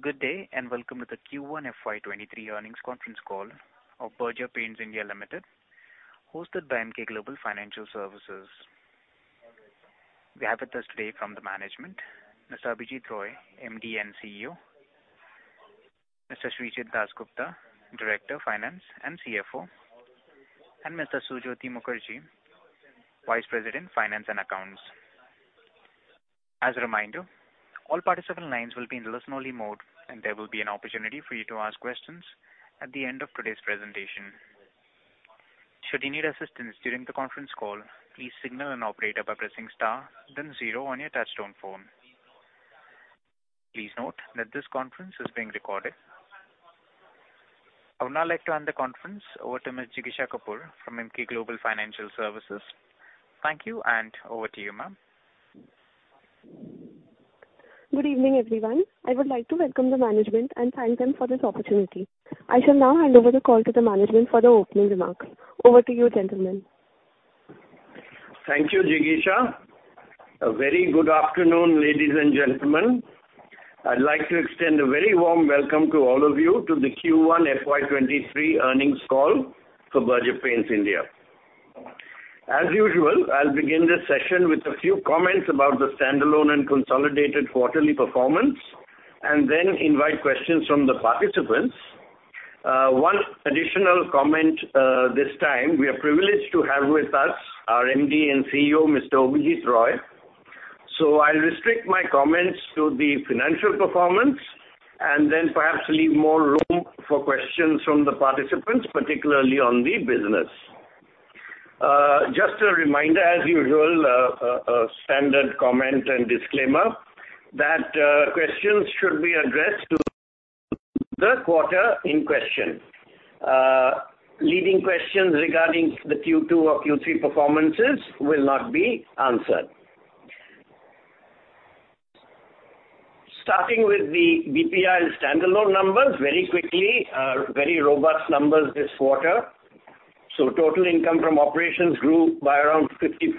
Good day, welcome to the Q1 FY23 earnings conference call of Berger Paints India Limited, hosted by Emkay Global Financial Services. We have with us today from the management, Mr. Abhijit Roy, MD and CEO, Mr. Srijit Dasgupta, Director of Finance and CFO, and Mr. Sujyoti Mukherjee, Vice President, Finance and Accounts. As a reminder, all participant lines will be in listen-only mode, and there will be an opportunity for you to ask questions at the end of today's presentation. Should you need assistance during the conference call, please signal an operator by pressing star then zero on your touchtone phone. Please note that this conference is being recorded. I would now like to hand the conference over to Ms. Jigisha Kapoor from Emkay Global Financial Services. Thank you, and over to you, ma'am. Good evening, everyone. I would like to welcome the management and thank them for this opportunity. I shall now hand over the call to the management for the opening remarks. Over to you, gentlemen. Thank you, Jigisha. A very good afternoon, ladies and gentlemen. I'd like to extend a very warm welcome to all of you to the Q1 FY23 earnings call for Berger Paints India. As usual, I'll begin this session with a few comments about the standalone and consolidated quarterly performance, and then invite questions from the participants. One additional comment, this time. We are privileged to have with us our MD and CEO, Mr. Abhijit Roy. So I'll restrict my comments to the financial performance and then perhaps leave more room for questions from the participants, particularly on the business. Just a reminder, as usual, a standard comment and disclaimer that questions should be addressed to the quarter in question. Leading questions regarding the Q2 or Q3 performances will not be answered. Starting with the BPI standalone numbers very quickly, very robust numbers this quarter. Total income from operations grew by around 54%,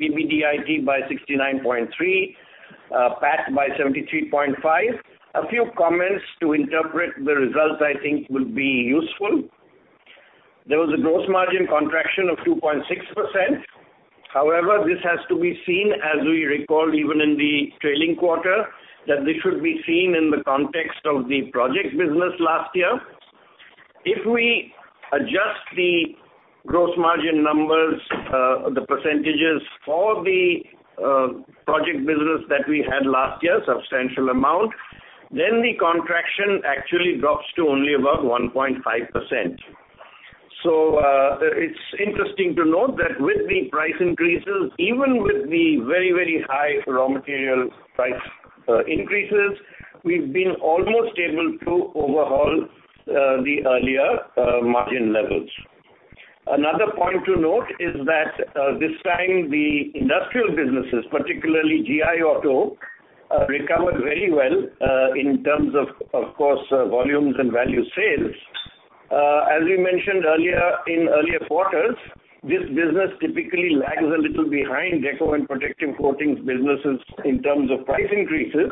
PBDIT by 69.3%, PAT by 73.5%. A few comments to interpret the results I think would be useful. There was a gross margin contraction of 2.6%. However, this has to be seen, as we recall even in the trailing quarter, that this should be seen in the context of the project business last year. If we adjust the gross margin numbers, the percentages for the project business that we had last year, substantial amount, then the contraction actually drops to only about 1.5%. It's interesting to note that with the price increases, even with the very, very high raw material price increases, we've been almost able to overhaul the earlier margin levels. Another point to note is that this time the industrial businesses, particularly GI Auto, recovered very well in terms of course, volumes and value sales. As we mentioned earlier in earlier quarters, this business typically lags a little behind Deco and Protective Coatings businesses in terms of price increases,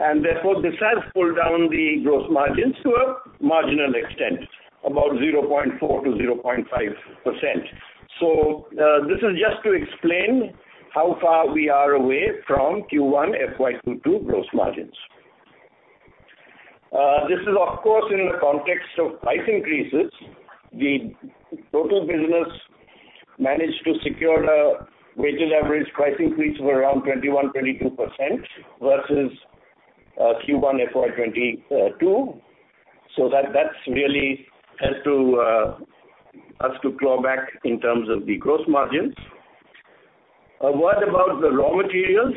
and therefore this has pulled down the gross margins to a marginal extent, about 0.4%-0.5%. This is just to explain how far we are away from Q1 FY22 gross margins. This is of course in the context of price increases. The total business managed to secure a weighted average price increase of around 21%-22% versus Q1 FY22. That that's really helped to us to claw back in terms of the gross margins. A word about the raw materials.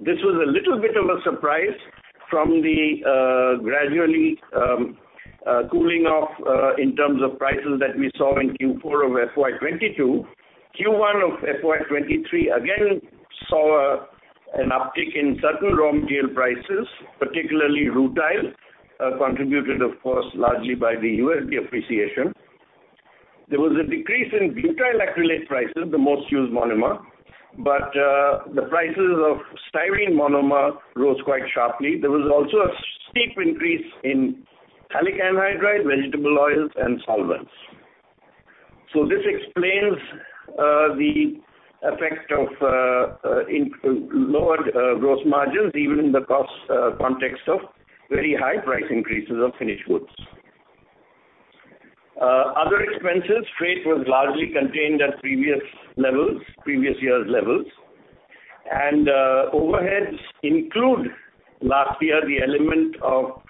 This was a little bit of a surprise from the gradually cooling off in terms of prices that we saw in Q4 FY22. Q1 FY23 again saw an uptick in certain raw material prices, particularly rutile contributed of course, largely by the USD appreciation. There was a decrease in butyl acrylate prices, the most used monomer, but the prices of styrene monomer rose quite sharply. There was also a steep increase in phthalic anhydride, vegetable oils and solvents. This explains lowered gross margins, even in the context of very high price increases of finished goods. Other expenses, freight was largely contained at previous levels, previous year's levels. Overheads include last year the element of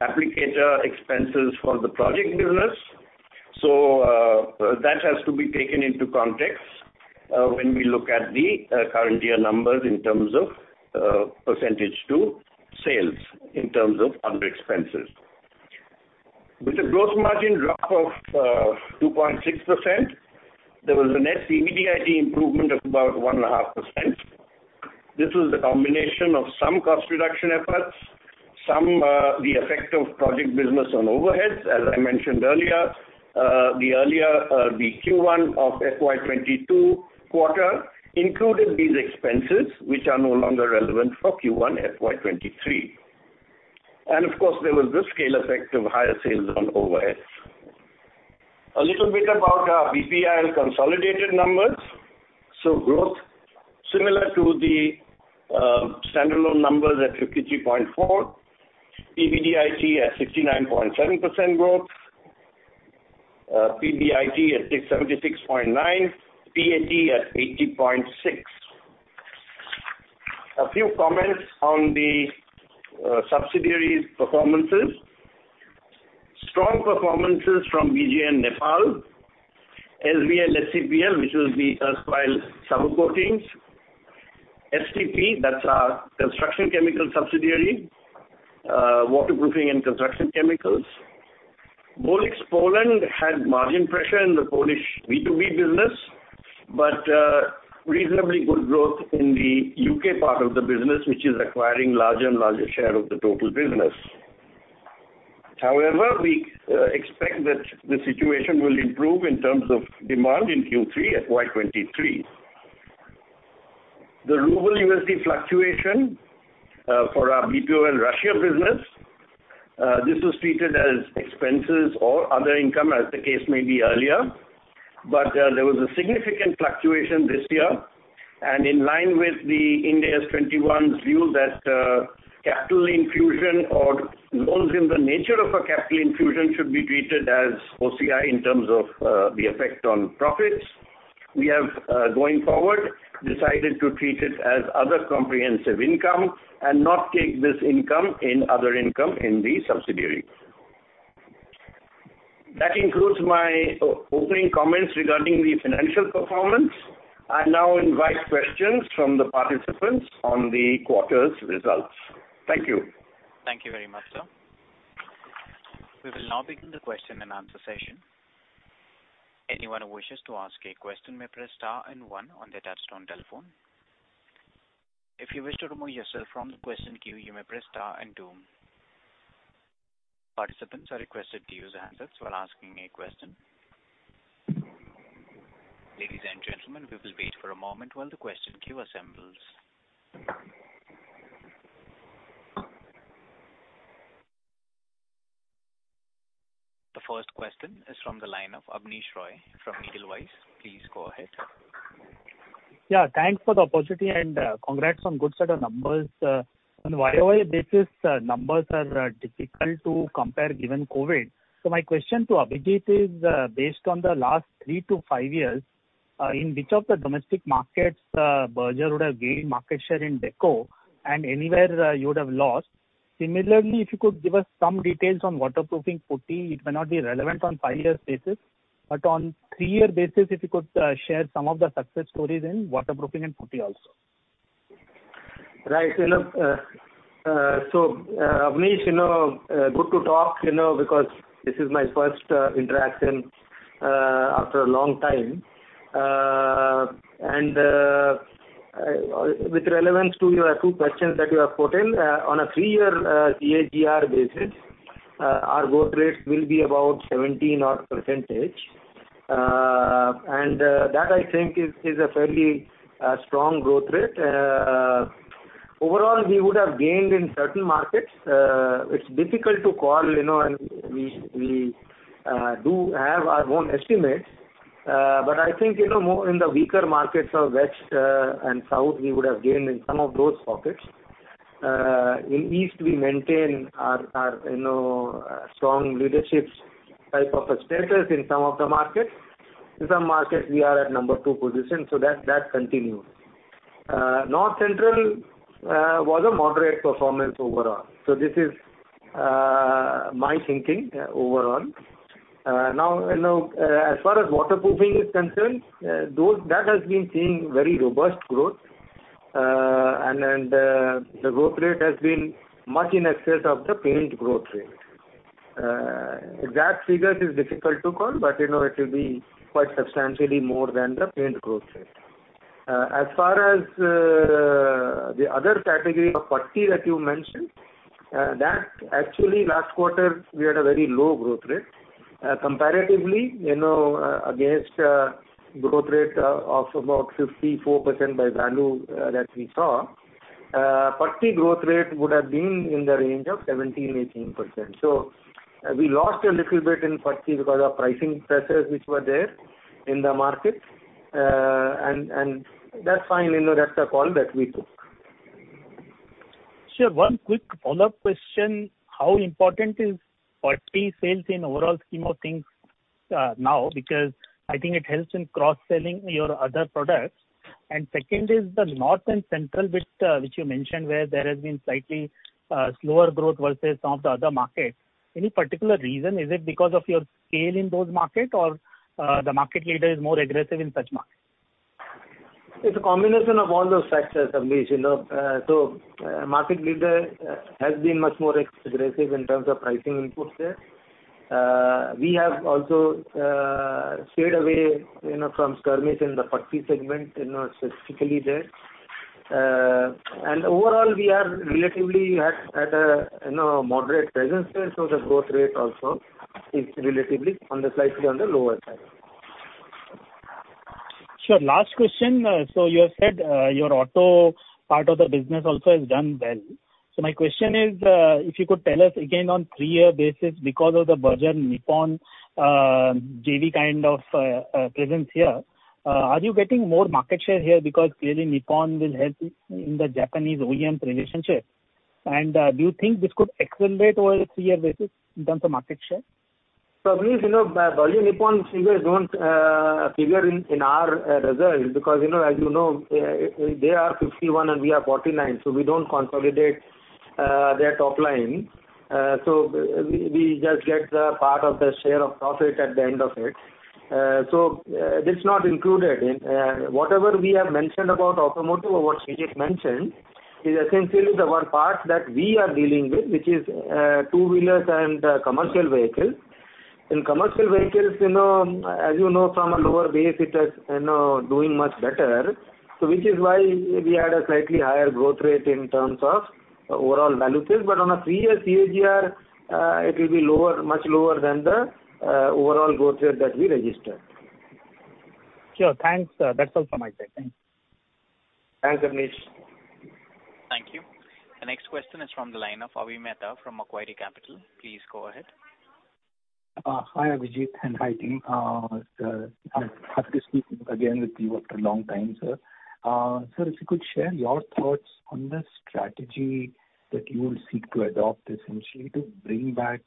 applicator expenses for the project business. That has to be taken into context when we look at the current year numbers in terms of percentage of sales in terms of other expenses. With the gross margin drop of 2.6%, there was a net PBDIT improvement of about 1.5%. This was a combination of some cost reduction efforts, some, the effect of project business on overheads, as I mentioned earlier. The earlier, the Q1 of FY22 quarter included these expenses which are no longer relevant for Q1 FY23. Of course, there was the scale effect of higher sales on overheads. A little bit about our BPIL consolidated numbers. Growth similar to the standalone numbers at 53.4%. EBITDA at 69.7% growth. PBIT at 676.9. PAT at 80.6. A few comments on the subsidiaries performances. Strong performances from BGN Nepal, LVL SCPL, which will be Akzo Nobel sub-coatings. STP, that's our construction chemical subsidiary, waterproofing and construction chemicals. Bolix S.A. had margin pressure in the Polish B2B business, but, reasonably good growth in the U.K. part of the business, which is acquiring larger and larger share of the total business. However, we, expect that the situation will improve in terms of demand in Q3 FY23. The ruble USD fluctuation, for our BPOL Russia business, this was treated as expenses or other income as the case may be earlier. There was a significant fluctuation this year, and in line with the Ind AS 21 view that, capital infusion or loans in the nature of a capital infusion should be treated as OCI in terms of, the effect on profits. We have, going forward, decided to treat it as other comprehensive income and not take this income in other income in the subsidiaries. That concludes my opening comments regarding the financial performance. I now invite questions from the participants on the quarter's results. Thank you. Thank you very much, sir. We will now begin the question and answer session. Anyone who wishes to ask a question may press star and one on their touchtone telephone. If you wish to remove yourself from the question queue, you may press star and two. Participants are requested to use the handsets while asking a question. Ladies and gentlemen, we will wait for a moment while the question queue assembles. The first question is from the line of Abneesh Roy from Edelweiss. Please go ahead. Yeah, thanks for the opportunity and congrats on good set of numbers. On a YOY basis, numbers are difficult to compare given COVID. My question to Abhijit is, based on the last three years-five years, in which of the domestic markets, Berger would have gained market share in Deco and anywhere, you would have lost. Similarly, if you could give us some details on waterproofing putty. It may not be relevant on five years basis, but on three-year basis, if you could share some of the success stories in waterproofing and putty also. Right. You know, so, Abneesh, you know, good to talk, you know, because this is my first interaction after a long time. With relevance to your two questions that you have put in, on a three-year CAGR basis, our growth rate will be about 17 odd %. That I think is a fairly strong growth rate. Overall, we would have gained in certain markets. It's difficult to call, you know, and we do have our own estimates. I think, you know, more in the weaker markets of West and South, we would have gained in some of those pockets. In East, we maintain our, you know, strong leadership type of a status in some of the markets. In some markets, we are at number two position, so that continues. North Central was a moderate performance overall. This is my thinking overall. Now, you know, as far as waterproofing is concerned, that has been seeing very robust growth. The growth rate has been much in excess of the paint growth rate. Exact figures is difficult to call, but you know, it will be quite substantially more than the paint growth rate. As far as the other category of putty that you mentioned, that actually last quarter we had a very low growth rate. Comparatively, you know, against growth rate of about 54% by value that we saw, putty growth rate would have been in the range of 17%-18%. We lost a little bit in putty because of pricing pressures which were there in the market. That's fine. You know, that's a call that we took. Sure. One quick follow-up question. How important is putty sales in overall scheme of things now? Because I think it helps in cross-selling your other products. Second is the North and Central, which you mentioned, where there has been slightly slower growth versus some of the other markets. Any particular reason? Is it because of your scale in those market or the market leader is more aggressive in such markets? It's a combination of all those factors, Abneesh, you know. Market leader has been much more aggressive in terms of pricing inputs there. We have also Stayed away, you know, from skirmish in the putty segment, you know, specifically there. Overall we are relatively at a, you know, moderate presence there, so the growth rate also is relatively slightly on the lower side. Sure. Last question. You have said, your auto part of the business also has done well. My question is, if you could tell us again on three-year basis because of the Berger Nippon, JV kind of, presence here, are you getting more market share here because clearly Nippon will help you in the Japanese OEM relationship? Do you think this could accelerate over a three-year basis in terms of market share? For me, you know, the Berger Nippon figures don't figure in our results because, you know, as you know, they are 51 and we are 49, so we don't consolidate their top line. We just get the part of the share of profit at the end of it. That's not included in whatever we have mentioned about automotive or what Srijit Dasgupta mentioned is essentially the one part that we are dealing with, which is two-wheelers and commercial vehicles. In commercial vehicles, you know, as you know, from a lower base it is, you know, doing much better. Which is why we had a slightly higher growth rate in terms of overall value sales. On a three-year CAGR, it will be lower, much lower than the overall growth rate that we registered. Sure. Thanks. That's all from my side. Thank you. Thanks, Abneesh. Thank you. The next question is from the line of Avi Mehta from Macquarie Capital. Please go ahead. Hi, Abhijit, and hi, team. Sir, happy speaking again with you after a long time, sir. Sir, if you could share your thoughts on the strategy that you will seek to adopt essentially to bring back.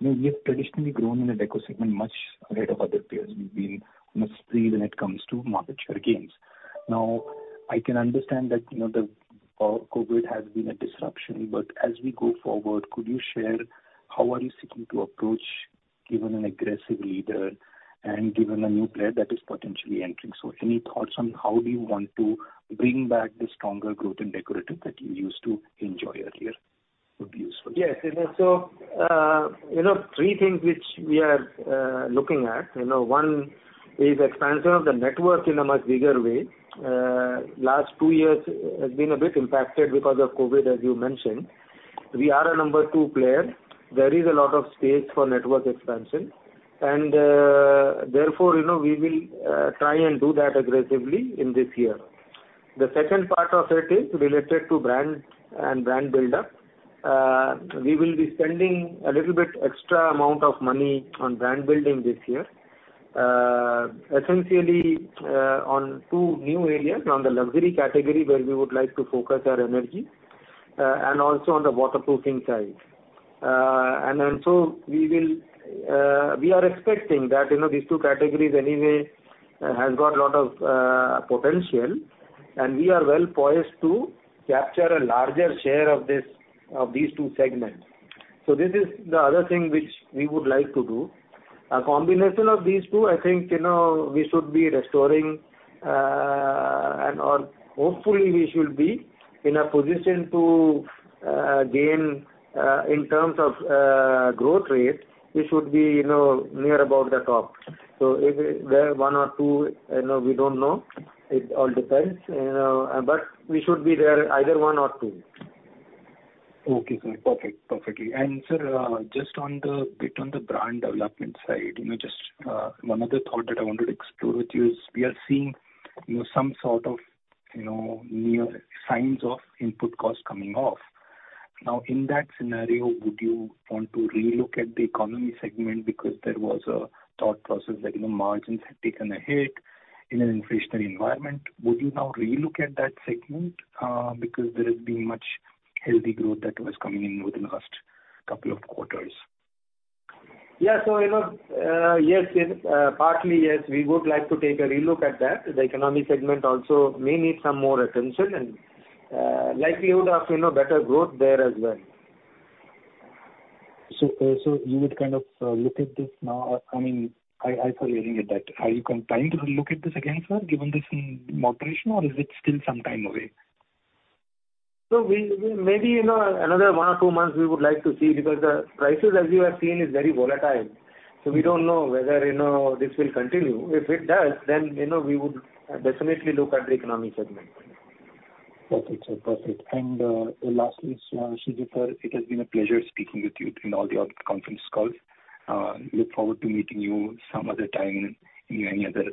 You know, you have traditionally grown in the deco segment much ahead of other peers. You've been on a spree when it comes to market share gains. Now, I can understand that, you know, the COVID has been a disruption, but as we go forward, could you share how are you seeking to approach given an aggressive leader and given a new player that is potentially entering? Any thoughts on how do you want to bring back the stronger growth in decorative that you used to enjoy earlier would be useful. Yes. You know, three things which we are looking at. You know, one is expansion of the network in a much bigger way. Last two years has been a bit impacted because of COVID, as you mentioned. We are a number two player. There is a lot of space for network expansion. Therefore, you know, we will try and do that aggressively in this year. The second part of it is related to brand and brand build-up. We will be spending a little bit extra amount of money on brand building this year. Essentially, on two new areas, on the luxury category where we would like to focus our energy, and also on the waterproofing side. Also we are expecting that, you know, these two categories anyway has got a lot of potential, and we are well poised to capture a larger share of this, of these two segments. This is the other thing which we would like to do. A combination of these two, I think, you know, we should be restoring, and, or hopefully we should be in a position to gain, in terms of growth rate. We should be, you know, near about the top. If we're one or two, you know, we don't know. It all depends. You know, but we should be there, either one or two. Okay, sir. Perfect. Sir, just a bit on the brand development side, you know, just one other thought that I wanted to explore with you is we are seeing, you know, some sort of early signs of input costs coming off. In that scenario, would you want to relook at the economy segment? Because there was a thought process that, you know, margins had taken a hit in an inflationary environment. Would you now relook at that segment, because there has been much healthy growth that was coming in within the last couple of quarters? Yeah. You know, yes, partly yes, we would like to take a relook at that. The economy segment also may need some more attention and likelihood of, you know, better growth there as well. You would kind of look at this now? I mean, I thought you were looking at that. Are you planning to look at this again, sir, given this moderation, or is it still some time away? We maybe, you know, another one or two months we would like to see, because the prices, as you have seen, is very volatile. We don't know whether, you know, this will continue. If it does, then, you know, we would definitely look at the economy segment. Okay, sir. Perfect. Lastly, Srijit Dasgupta, sir, it has been a pleasure speaking with you in all the conference calls. Look forward to meeting you some other time in any other,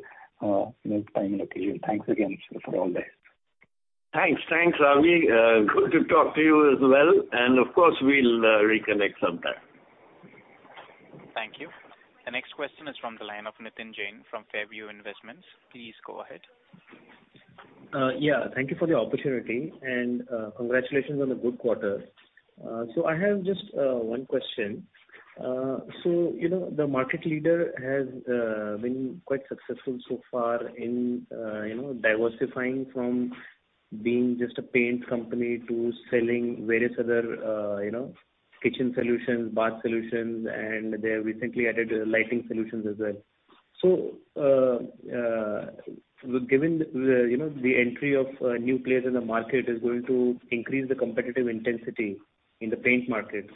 you know, time and occasion. Thanks again, sir, for all this. Thanks. T hanks, Avi. Good to talk to you as well. Of course, we'll reconnect sometime. Thank you. The next question is from the line of Nitin Jain from Fairview Investments. Please go ahead. Yeah, thank you for the opportunity and congratulations on the good quarter. I have just one question. You know, the market leader has been quite successful so far in you know, diversifying from being just a paints company to selling various other you know, kitchen solutions, bath solutions, and they have recently added lighting solutions as well. Given the, you know, the entry of new players in the market is going to increase the competitive intensity in the paint markets,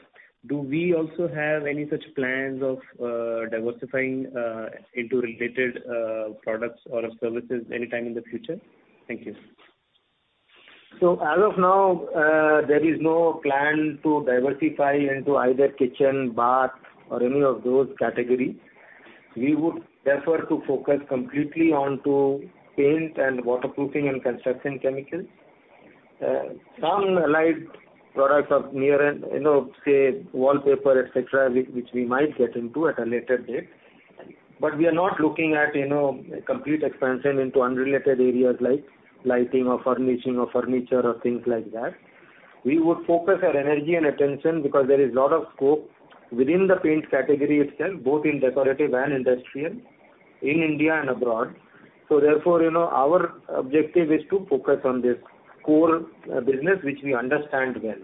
do we also have any such plans of diversifying into related products or services anytime in the future? Thank you. As of now, there is no plan to diversify into either kitchen, bath, or any of those categories. We would prefer to focus completely onto paint and waterproofing and construction chemicals. Some allied products of near end, you know, say wallpaper, et cetera, which we might get into at a later date. But we are not looking at, you know, complete expansion into unrelated areas like lighting or furnishing or furniture or things like that. We would focus our energy and attention because there is a lot of scope within the paint category itself, both in decorative and industrial, in India and abroad. Therefore, you know, our objective is to focus on this core business, which we understand well.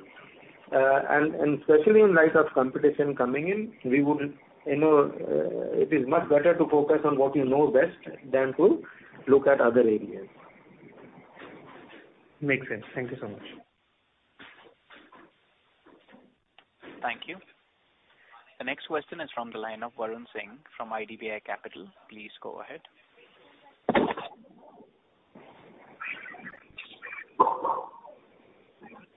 Especially in light of competition coming in, we would, you know, it is much better to focus on what you know best than to look at other areas. Makes sense. Thank you so much. Thank you. The next question is from the line of Varun Singh from IDBI Capital. Please go ahead.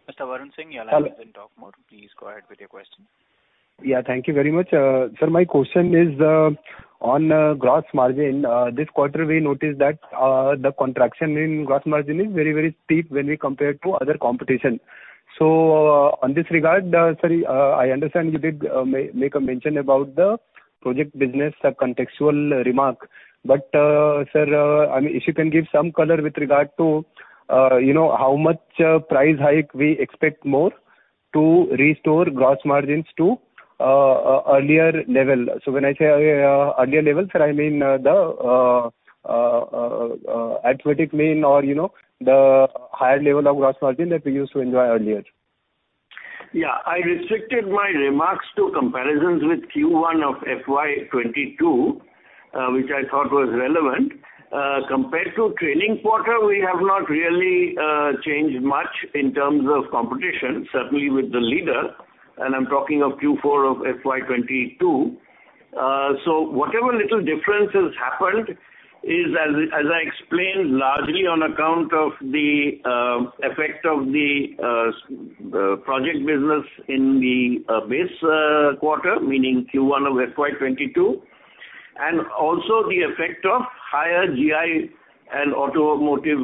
Mr. Varun Singh, your line is in talk mode. Please go ahead with your question. Yeah. Thank you very much. Sir, my question is on gross margin. This quarter we noticed that the contraction in gross margin is very, very steep when we compare to other competition. On this regard, sir, Actually, I understand you did make a mention about the project business and contextual remarks, but sir, I mean, if you can give some color with regard to, you know, how much price hike we expect more to restore gross margins to earlier level. When I say earlier level, sir, I mean the arithmetic mean or, you know, the higher level of gross margin that we used to enjoy earlier. Yeah. I restricted my remarks to comparisons with Q1 of FY22, which I thought was relevant. Compared to trailing quarter, we have not really changed much in terms of competition, certainly with the leader, and I'm talking of Q4 of FY22. Whatever little difference has happened is, as I explained, largely on account of the effect of the project business in the base quarter, meaning Q1 of FY22, and also the effect of higher GI and automotive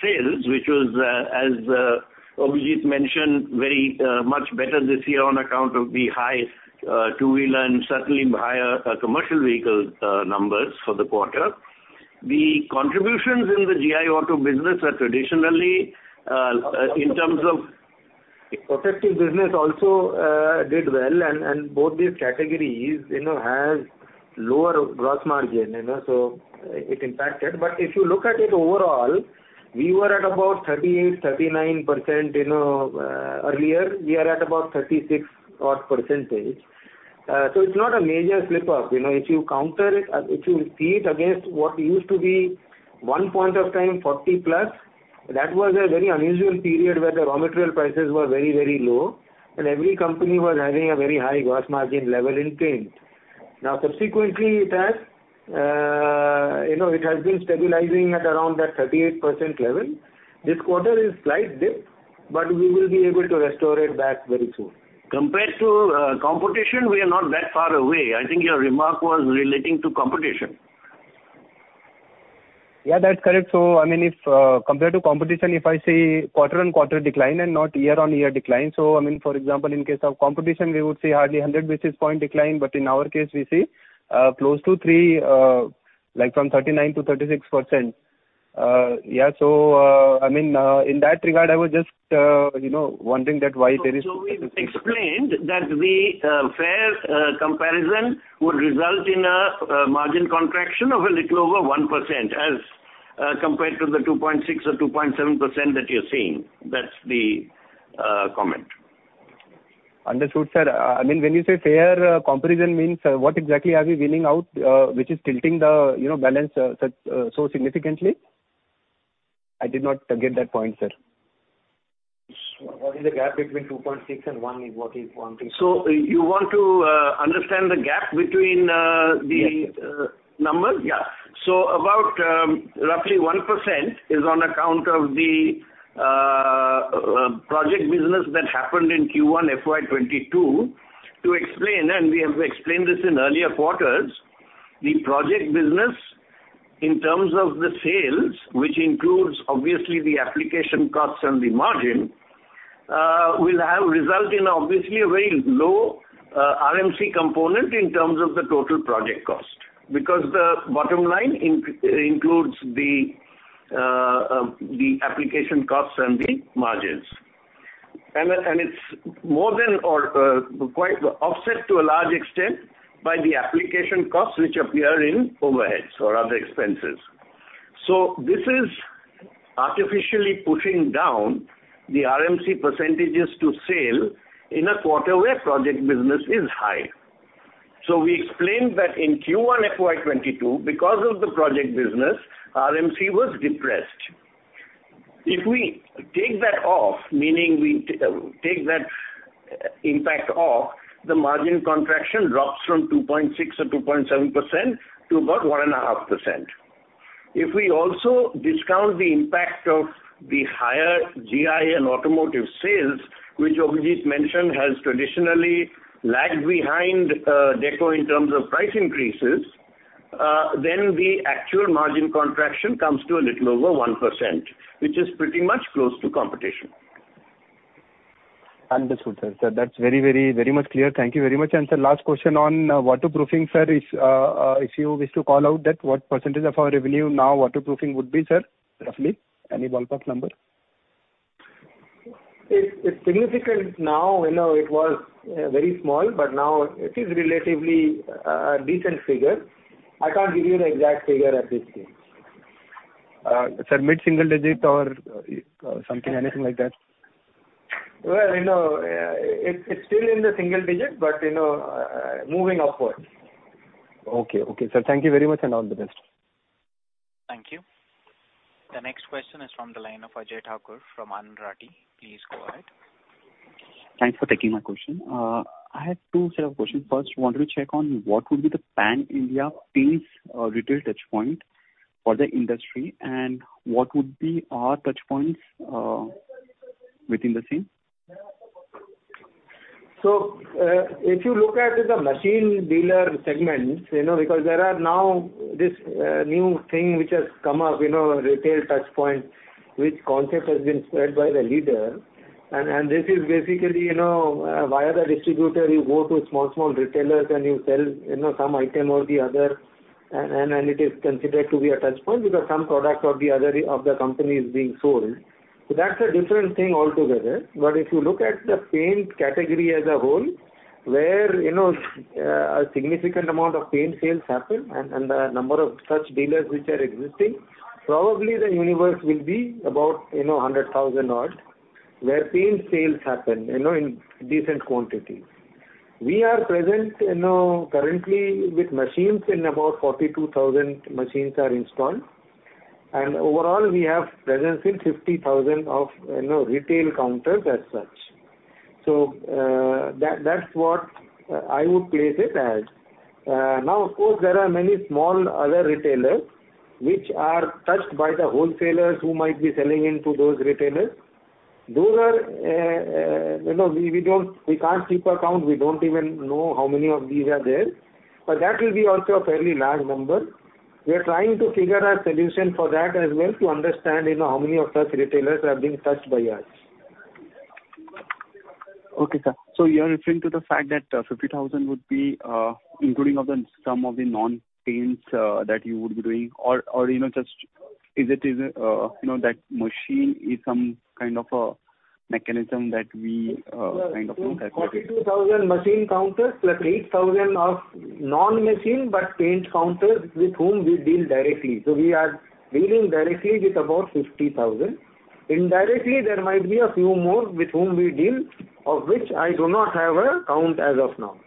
sales, which was, as Abhijit mentioned, very much better this year on account of the high two-wheeler and certainly higher commercial vehicle numbers for the quarter. The contributions in the GI auto business are traditionally in terms of Protective business also did well and both these categories, you know, have lower gross margin, you know, so it impacted. If you look at it overall, we were at about 38%-39%, you know, earlier. We are at about 36 odd percentage. So it's not a major slip up. You know, if you counter it, if you see it against what used to be one point of time 40+, that was a very unusual period where the raw material prices were very, very low, and every company was having a very high gross margin level in paint. Now, subsequently, it has, you know, it has been stabilizing at around that 38% level. This quarter is slight dip, but we will be able to restore it back very soon. Compared to competition, we are not that far away. I think your remark was relating to competition. Yeah, that's correct. If compared to competition, if I say quarter-on-quarter decline and not year-on-year decline, I mean, for example, in case of competition, we would say hardly 100 basis points decline, but in our case, we see close to three like from 39%-36%. Yeah, I mean in that regard, I was just you know wondering that why there is. We explained that the fair comparison would result in a margin contraction of a little over 1% as compared to the 2.6% or 2.7% that you're seeing. That's the comment. Understood, sir. I mean, when you say fair comparison means what exactly are we weaning out, which is tilting the, you know, balance, so significantly? I did not get that point, sir. What is the gap between 2.6 and 1? What is one thing? You want to understand the gap between. Yes, yes. Numbers? Yeah. About, roughly 1% is on account of the project business that happened in Q1 FY22. To explain, we have explained this in earlier quarters, the project business in terms of the sales, which includes obviously the application costs and the margin, will have result in obviously a very low RMC component in terms of the total project cost. Because the bottom line includes the application costs and the margins. It's more than offset to a large extent by the application costs which appear in overheads or other expenses. This is artificially pushing down the RMC percentages to sale in a quarter where project business is high. We explained that in Q1 FY22, because of the project business, RMC was depressed. If we take that off, meaning we take that impact off, the margin contraction drops from 2.6% or 2.7% to about 1.5%. If we also discount the impact of the higher GI and automotive sales, which Abhijit mentioned has traditionally lagged behind, deco in terms of price increases, then the actual margin contraction comes to a little over 1%, which is pretty much close to competition. Understood, sir. That's very much clear. Thank you very much. Sir, last question on waterproofing, sir, is, if you wish to call out that what percentage of our revenue now waterproofing would be, sir, roughly? Any ballpark number? It's significant now. You know, it was very small, but now it is relatively a decent figure. I can't give you the exact figure at this stage. Sir, mid-single digit or, something, anything like that? Well, you know, it's still in the single digit, but, you know, moving upwards. Okay. Okay, sir. Thank you very much, and all the best. Thank you. The next question is from the line of Ajay Thakur from Anrati. Please go ahead. Thanks for taking my question. I have two set of questions. First, wanted to check on what would be the pan-India paints retail touch point for the industry and what would be our touchpoints within the same? If you look at the machine dealer segments, you know, because there are now this new thing which has come up, you know, retail touch point, which concept has been spread by the leader. This is basically, you know, via the distributor, you go to small retailers and you sell, you know, some item or the other, and it is considered to be a touchpoint because some product or the other of the company is being sold. That's a different thing altogether. If you look at the paint category as a whole, where a significant amount of paint sales happen and the number of such dealers which are existing, probably the universe will be about 100,000, where paint sales happen in decent quantity. We are present currently with machines in about 42,000 machines are installed. Overall, we have presence in 50,000 of retail counters as such. That's what I would place it as. Now, of course, there are many small other retailers which are touched by the wholesalers who might be selling into those retailers. Those are. We can't keep a count. We don't even know how many of these are there. That will be also a fairly large number. We are trying to figure a solution for that as well to understand how many of such retailers are being touched by us. Okay, sir. You're referring to the fact that 50,000 would be including some of the non-paints that you would be doing or, you know, just is it, you know, that machine is some kind of a mechanism that we kind of. 42,000 machine counters plus 8,000 of non-machine, but paint counters with whom we deal directly. We are dealing directly with about 50,000. Indirectly, there might be a few more with whom we deal, of which I do not have a count as of now.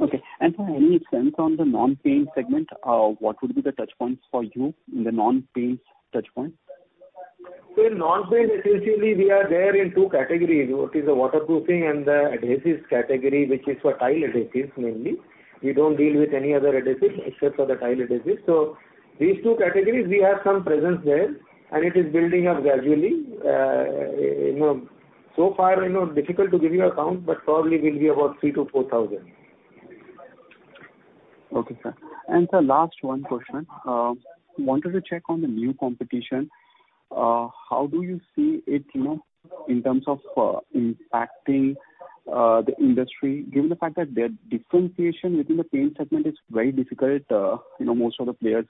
Okay. Sir, any sense on the non-paint segment, what would be the touchpoints for you in the non-paints touchpoint? In non-paints, essentially we are there in two categories. One is the Waterproofing and the adhesives category, which is for Tile Adhesives mainly. We don't deal with any other adhesives except for the Tile Adhesives. These two categories, we have some presence there, and it is building up gradually. You know, so far, you know, difficult to give you a count, but probably will be about 3,000-4,000. Okay, sir. Sir, last question. Wanted to check on the new competition. How do you see it, you know, in terms of impacting the industry, given the fact that their differentiation within the paint segment is very difficult, you know, most of the players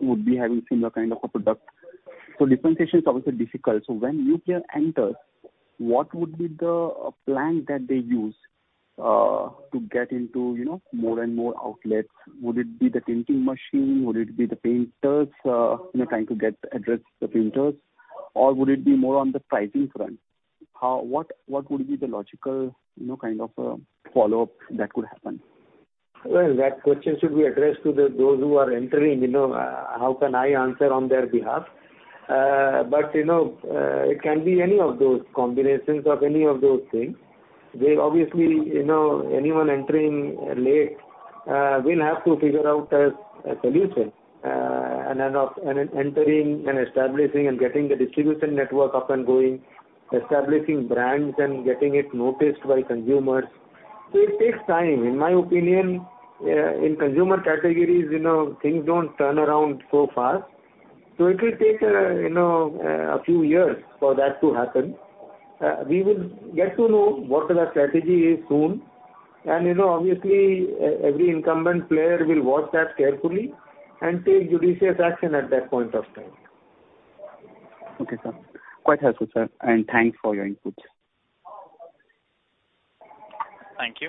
would be having similar kind of a product. Differentiation is obviously difficult. When new player enters, what would be the plan that they use to get into, you know, more and more outlets? Would it be the painting machine? Would it be the painters, you know, trying to address the painters? Or would it be more on the pricing front? What would be the logical, you know, kind of follow-up that could happen? Well, that question should be addressed to those who are entering. You know, how can I answer on their behalf? You know, it can be any of those combinations of any of those things. They obviously, you know, anyone entering late will have to figure out a solution, and then entering and establishing and getting the distribution network up and going, establishing brands and getting it noticed by consumers. It takes time. In my opinion, in consumer categories, you know, things don't turn around so fast. It will take, you know, a few years for that to happen. We will get to know what their strategy is soon. You know, obviously, every incumbent player will watch that carefully and take judicious action at that point of time. Okay, sir. Quite helpful, sir, and thanks for your inputs. Thank you.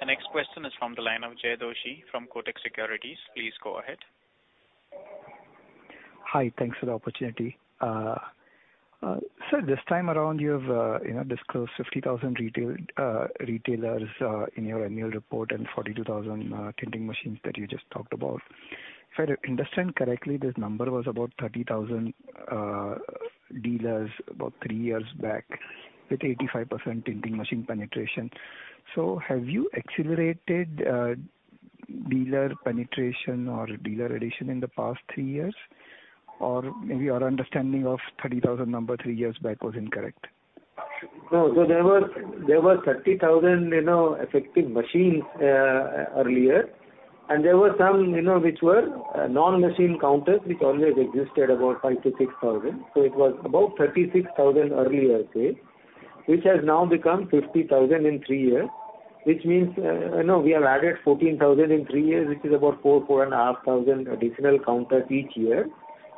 The next question is from the line of Jaykumar Doshi from Kotak Securities. Please go ahead. Hi. Thanks for the opportunity. Sir, this time around you've, you know, disclosed 50,000 retailers in your annual report and 42,000 tinting machines that you just talked about. If I understand correctly, this number was about 30,000 dealers about three years back, with 85% tinting machine penetration. Have you accelerated dealer penetration or dealer addition in the past three years? Or maybe our understanding of 30,000 number three years back was incorrect. No. There were 30,000, you know, effective machines earlier, and there were some, you know, which were non-machine counters which always existed about 5,000-6,000. It was about 36,000 earlier stage, which has now become 50,000 in three years, which means, you know, we have added 14,000 in three years, which is about 4,500 additional counters each year,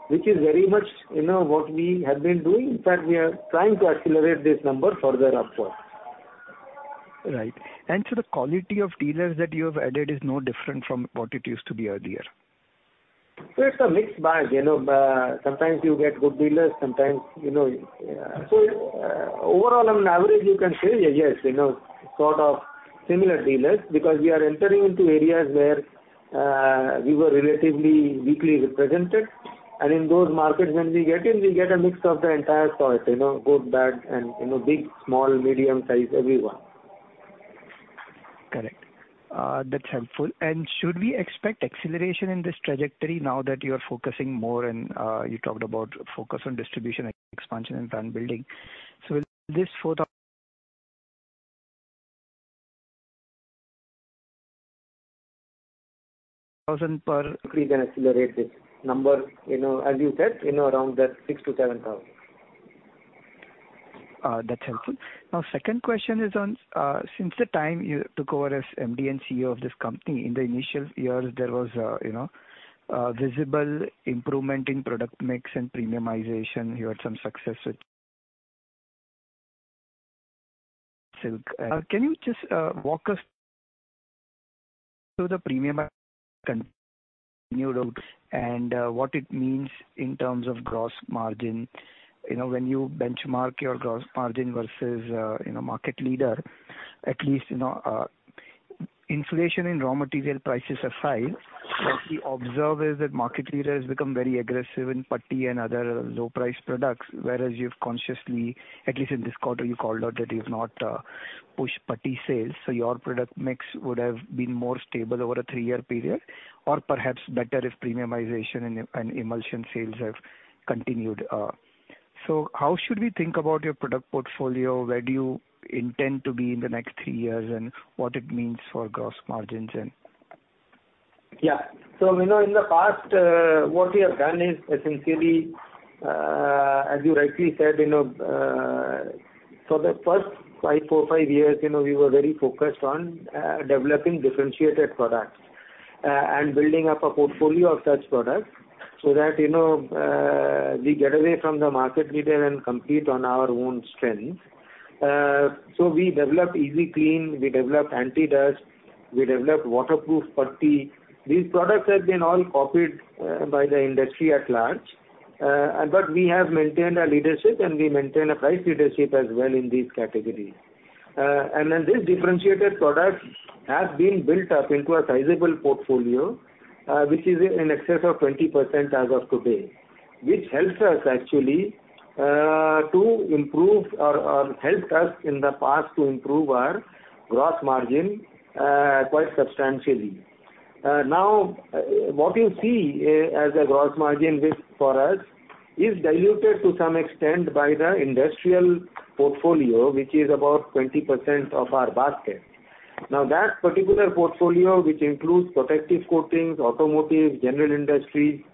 which is very much, you know, what we have been doing. In fact, we are trying to accelerate this number further upwards. Right. The quality of dealers that you have added is no different from what it used to be earlier. It's a mixed bag. You know, sometimes you get good dealers, sometimes you know. Overall on average, you can say yes, you know, sort of similar dealers, because we are entering into areas where we were relatively weakly represented. In those markets when we get in, we get a mix of the entire sort, you know, good, bad and, you know, big, small, medium size, everyone. Correct. That's helpful. Should we expect acceleration in this trajectory now that you are focusing more and you talked about focus on distribution expansion and brand building. Will this 4,000 store increase and accelerate this number, you know, as you said, you know, around that 6,000-7,000. That's helpful. Now, second question is on since the time you took over as MD&CEO of this company, in the initial years there was visible improvement in product mix and premiumization. You had some success with Silk. Can you just walk us through the premium and luxury route and what it means in terms of gross margin? You know, when you benchmark your gross margin versus, you know, market leader, at least, you know, inflation in raw material prices aside, what we observe is that market leader has become very aggressive in putty and other low price products, whereas you've consciously, at least in this quarter, you called out that you've not pushed putty sales, so your product mix would have been more stable over a three-year period or perhaps better if premiumization and emulsion sales have continued. How should we think about your product portfolio? Where do you intend to be in the next three years and what it means for gross margins? Yeah. In the past, what we have done is essentially, as you rightly said, you know, for the first four or five years, you know, we were very focused on developing differentiated products and building up a portfolio of such products so that, you know, we get away from the market leader and compete on our own strengths. So we developed Easy Clean, we developed Anti Dust, we developed Waterproof Putty. These products have been all copied by the industry at large. But we have maintained our leadership, and we maintain a price leadership as well in these categories. These differentiated products have been built up into a sizable portfolio, which is in excess of 20% as of today, which helps us actually to improve or helped us in the past to improve our gross margin quite substantially. Now what you see as a gross margin risk for us is diluted to some extent by the industrial portfolio, which is about 20% of our basket. Now, that particular portfolio, which includes protective coatings, automotive, general industry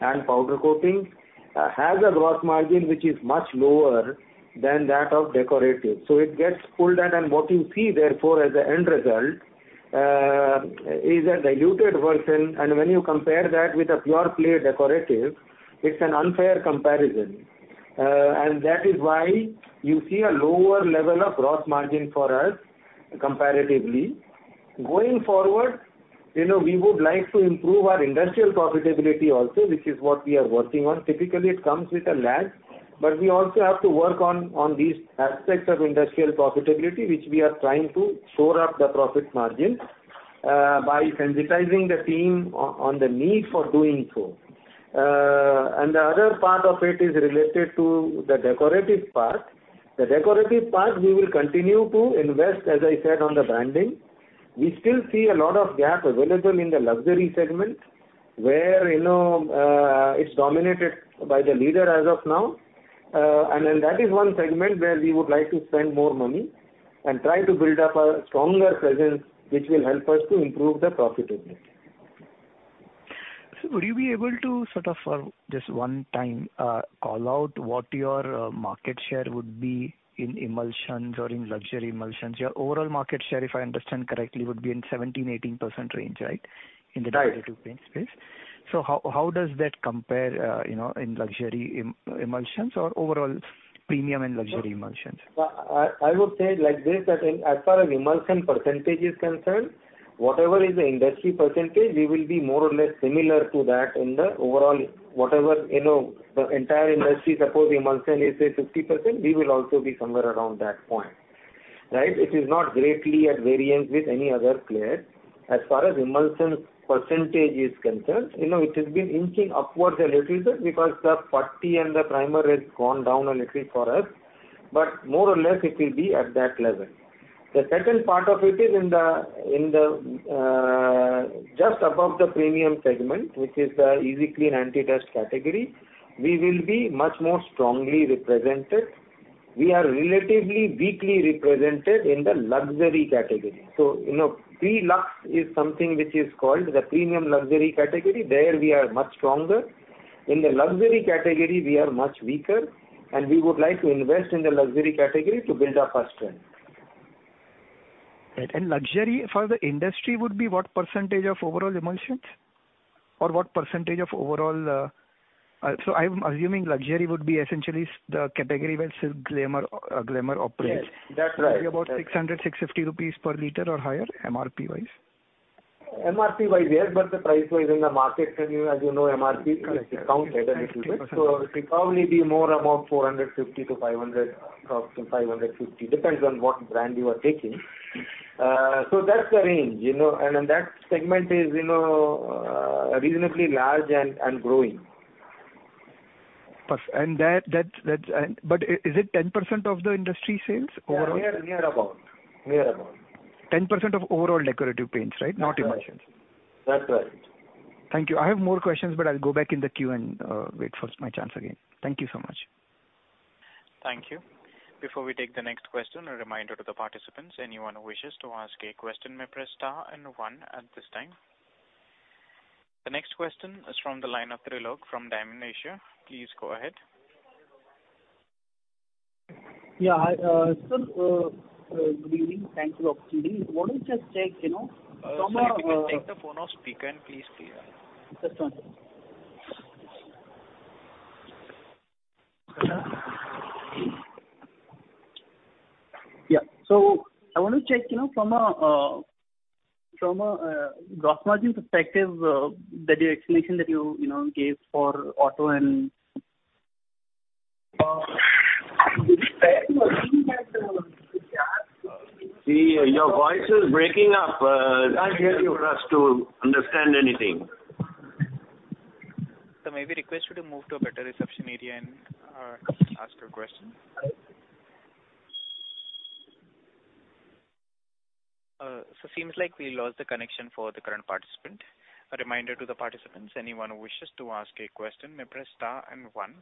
and powder coatings, has a gross margin which is much lower than that of decorative. So it gets pulled, and what you see therefore as an end result is a diluted version. When you compare that with a pure play decorative, it's an unfair comparison. That is why you see a lower level of gross margin for us comparatively. Going forward, you know, we would like to improve our industrial profitability also, which is what we are working on. Typically, it comes with a lag, but we also have to work on these aspects of industrial profitability, which we are trying to shore up the profit margin by sensitizing the team on the need for doing so. The other part of it is related to the decorative part. The decorative part we will continue to invest, as I said, on the branding. We still see a lot of gap available in the luxury segment where, you know, it's dominated by the leader as of now. That is one segment where we would like to spend more money and try to build up a stronger presence, which will help us to improve the profitability. Would you be able to sort of for just one time call out what your market share would be in emulsions or in luxury emulsions? Your overall market share, if I understand correctly, would be in 17%-18% range, right? Right. In the decorative paint space. How does that compare, you know, in luxury emulsions or overall? Premium and luxury emulsions. I would say like this, that in as far as emulsion percentage is concerned, whatever is the industry percentage, we will be more or less similar to that in the overall. Whatever, you know, the entire industry, suppose emulsion is say 60%, we will also be somewhere around that point, right? It is not greatly at variance with any other player. As far as emulsion percentage is concerned, you know, it has been inching upwards a little bit because the putty and the primer has gone down a little for us. More or less it will be at that level. The second part of it is in the just above the premium segment, which is the Easy Clean anti-dust category, we will be much more strongly represented. We are relatively weakly represented in the luxury category. You know, Pre-Lux is something which is called the premium luxury category. There we are much stronger. In the luxury category, we are much weaker, and we would like to invest in the luxury category to build up our strength. Luxury for the industry would be what percentage of overall emulsions? I'm assuming luxury would be essentially the category where Silk Glamour operates. Yes, that's right. Will it be about 600-650 rupees per liter or higher, MRP-wise? MRP-wise, yes, but price-wise in the market, and you, as you know, MRP is discounted a little bit. Yes. It'll probably be more about 450-500, up to 550. Depends on what brand you are taking. That's the range, you know, and then that segment is, you know, reasonably large and growing. Is it 10% of the industry sales overall? Yeah, near about. 10% of overall decorative paints, right? Not emulsions. That's right. Thank you. I have more questions, but I'll go back in the queue and wait for my chance again. Thank you so much. Thank you. Before we take the next question, a reminder to the participants, anyone who wishes to ask a question may press star and one at this time. The next question is from the line of Trilok from Diamond Asia. Please go ahead. Yeah. Hi, sir, good evening. Thank you for attending. I want to just check, you know, from a, Sir, if you can take the phone off speaker and please clear. Sure. Yeah. I want to check, you know, from a gross margin perspective, the explanation that you know gave for auto and- See, your voice is breaking up. Can't hear you. for us to understand anything. Sir, may we request you to move to a better reception area and ask your question. Seems like we lost the connection for the current participant. A reminder to the participants, anyone who wishes to ask a question, may press star and one.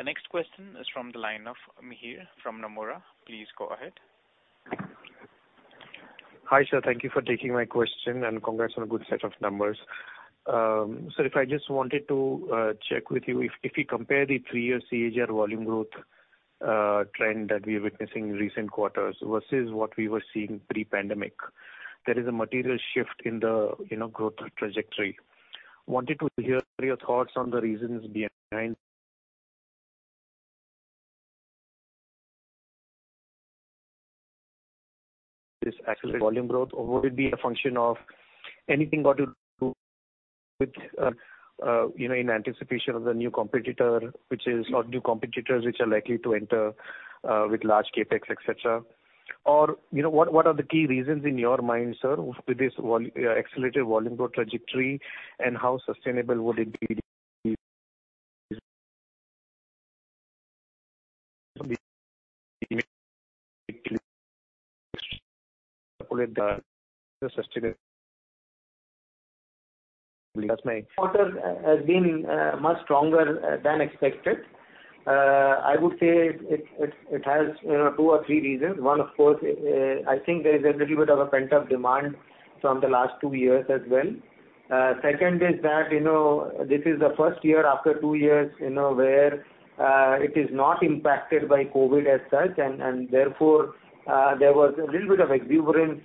The next question is from the line of Mihir from Nomura. Please go ahead. Hi, sir. Thank you for taking my question and congrats on a good set of numbers. Sir, if I just wanted to check with you. If you compare the three-year CAGR volume growth trend that we're witnessing in recent quarters versus what we were seeing pre-pandemic, there is a material shift in the you know growth trajectory. Wanted to hear your thoughts on the reasons behind this accelerated volume growth, or would it be a function of anything got to do with you know in anticipation of the new competitor, which is, or new competitors which are likely to enter with large CapEx, et cetera? You know, what are the key reasons in your mind, sir, with this accelerated volume growth trajectory, and how sustainable would it be? That's my- Quarter has been much stronger than expected. I would say it has, you know, two reasons or three reasons. One, of course, I think there is a little bit of a pent-up demand from the last two years as well. Second is that, you know, this is the first year after two years, you know, where it is not impacted by COVID as such. Therefore, there was a little bit of exuberance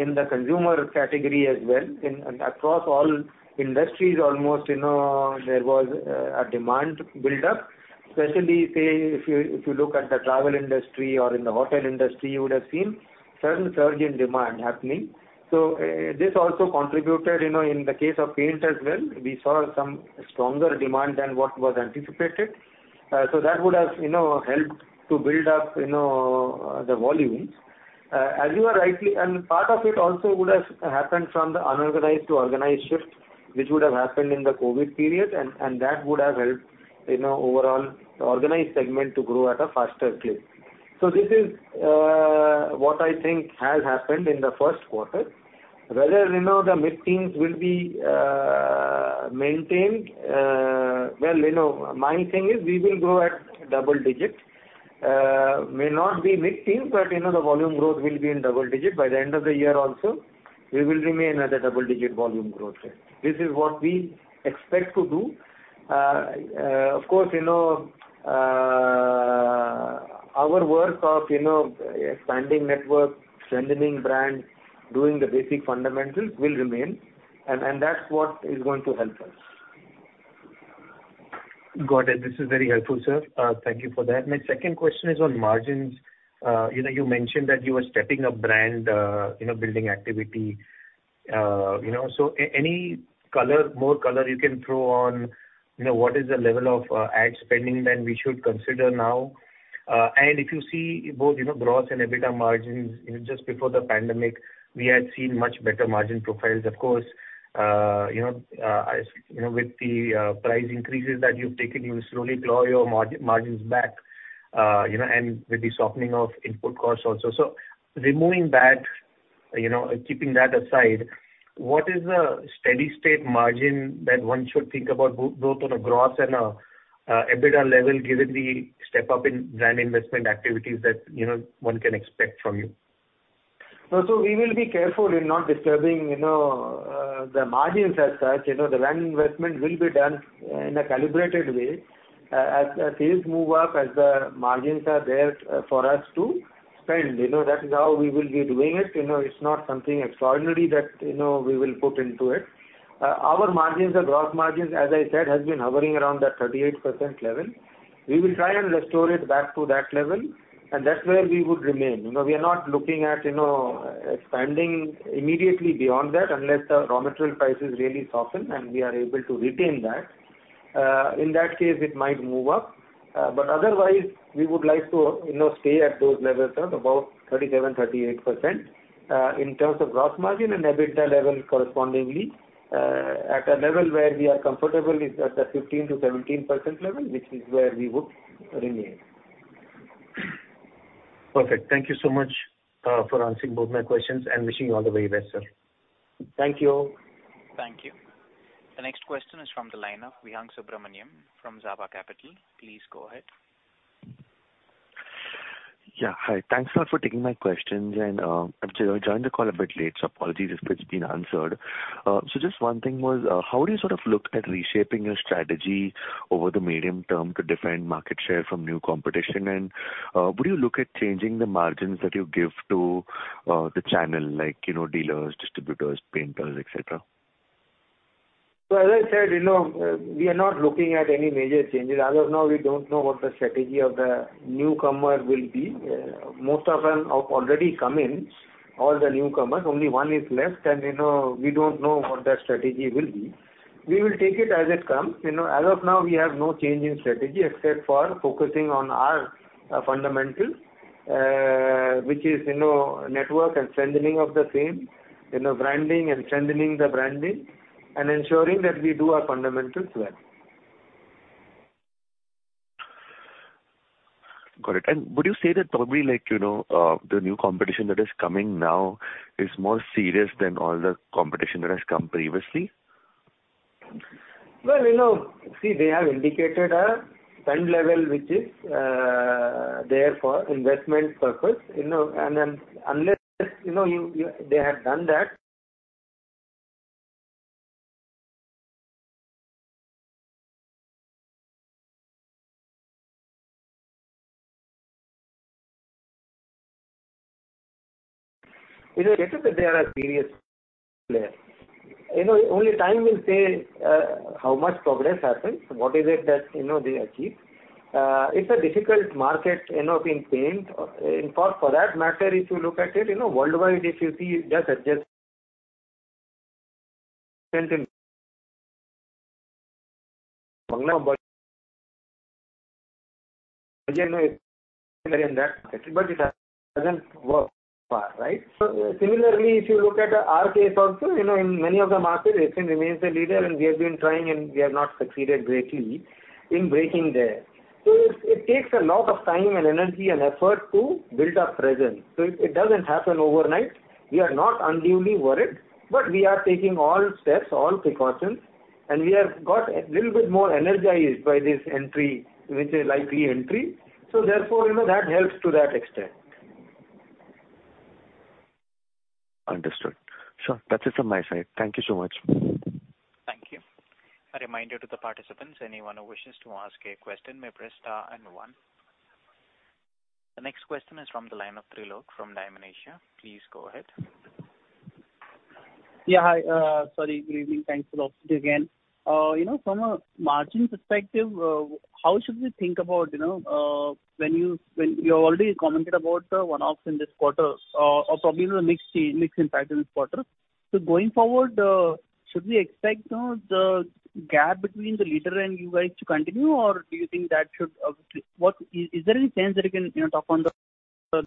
in the consumer category as well. Across all industries almost, you know, there was a demand buildup. Especially say if you look at the travel industry or in the hotel industry, you would have seen certain surge in demand happening. This also contributed, you know, in the case of paint as well. We saw some stronger demand than what was anticipated. That would have, you know, helped to build up, you know, the volumes. As you are rightly part of it also would have happened from the unorganized to organized shift, which would have happened in the COVID period, and that would have helped, you know, overall organized segment to grow at a faster clip. This is what I think has happened in the first quarter. Whether, you know, the mid-teens will be maintained, well, you know, my thing is we will grow at double digit. May not be mid-teens, but you know, the volume growth will be in double digit. By the end of the year also, we will remain at a double-digit volume growth rate. This is what we expect to do. Of course, you know, our work of expanding network, strengthening brand, doing the basic fundamentals will remain and that's what is going to help us. Got it. This is very helpful, sir. Thank you for that. My second question is on margins. You know, you mentioned that you were stepping up brand, you know, building activity. You know, so any color, more color you can throw on, you know, what is the level of ad spending then we should consider now? If you see both, you know, gross and EBITDA margins, you know, just before the pandemic we had seen much better margin profiles. Of course, you know, as you know, with the price increases that you've taken, you'll slowly claw your margins back, you know, and with the softening of input costs also. Removing that, you know, keeping that aside, what is the steady state margin that one should think about both on a gross and a EBITDA level, given the step up in brand investment activities that, you know, one can expect from you? No. We will be careful in not disturbing, you know, the margins as such. You know, the brand investment will be done in a calibrated way. As things move up, as the margins are there for us to spend, you know, that is how we will be doing it. You know, it's not something extraordinary that, you know, we will put into it. Our margins, the gross margins, as I said, has been hovering around that 38% level. We will try and restore it back to that level, and that's where we would remain. You know, we are not looking at, you know, expanding immediately beyond that unless the raw material prices really soften and we are able to retain that. In that case, it might move up. Otherwise we would like to, you know, stay at those levels of about 37%-38% in terms of gross margin and EBITDA level correspondingly. At a level where we are comfortable is at the 15%-17% level, which is where we would remain. Perfect. Thank you so much for answering both my questions, and wishing you all the very best, sir. Thank you. Thank you. The next question is from the line of Vihang Subramanian from Zeva Capital. Please go ahead. Yeah. Hi. Thanks a lot for taking my questions. Actually I joined the call a bit late, so apologies if it's been answered. Just one thing was, how would you sort of look at reshaping your strategy over the medium term to defend market share from new competition? Would you look at changing the margins that you give to the channel, like, you know, dealers, distributors, painters, et cetera? As I said, you know, we are not looking at any major changes. As of now, we don't know what the strategy of the newcomer will be. Most of them have already come in, all the newcomers, only one is left. You know, we don't know what their strategy will be. We will take it as it comes. You know, as of now, we have no change in strategy except for focusing on our fundamental, which is, you know, network and strengthening of the same. You know, branding and strengthening the branding and ensuring that we do our fundamentals well. Got it. Would you say that probably like, you know, the new competition that is coming now is more serious than all the competition that has come previously? Well, you know, see, they have indicated a fund level which is there for investment purpose, you know. Unless, you know, they have done that. You know, they are a serious player. You know, only time will say how much progress happens and what is it that, you know, they achieve. It's a difficult market, you know, in paint. In fact, for that matter, if you look at it, you know, worldwide if you see just Asian Paints in that market, but it hasn't worked so far, right? Similarly, if you look at our case also, you know, in many of the markets Asian remains the leader, and we have been trying and we have not succeeded greatly in breaking there. It takes a lot of time and energy and effort to build our presence. It doesn't happen overnight. We are not unduly worried, but we are taking all steps, all precautions, and we have got a little bit more energized by this entry, which is likely entry. Therefore, you know, that helps to that extent. Understood. Sure. That's it from my side. Thank you so much. Thank you. A reminder to the participants, anyone who wishes to ask a question may press star and one. The next question is from the line of Trilok from Diamond Asia. Please go ahead. Yeah. Hi. Sorry. Good evening. Thanks for the opportunity again. You know, from a margin perspective, how should we think about, you know, when you already commented about the one-offs in this quarter, or probably the mix change, mix impact in this quarter. Going forward, should we expect, you know, the gap between the leader and you guys to continue? Or do you think that should, Is there any chance that you can, you know, talk on the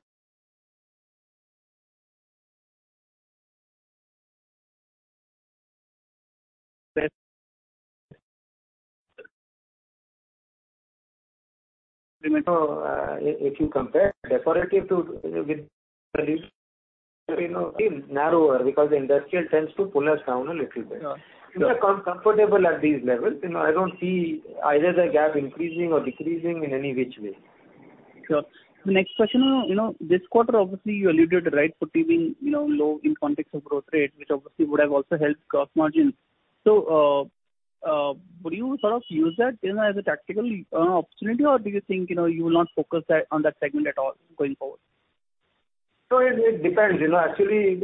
You know, if you compare Decorative to, you know, with you know, narrower because the Industrial tends to pull us down a little bit. Yeah. We are comfortable at these levels. You know, I don't see either the gap increasing or decreasing in any which way. Sure. The next question, you know, this quarter obviously you alluded to, right, putting, you know, low in context of growth rate, which obviously would have also helped gross margins. Would you sort of use that, you know, as a tactical opportunity or do you think, you know, you will not focus that on that segment at all going forward? It depends. You know, actually,